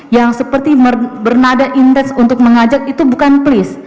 yang seperti bernada intens untuk mengajak itu bukan please